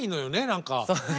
何か。